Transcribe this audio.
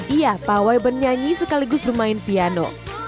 iya pawai bernyanyi sekaligus bermain piano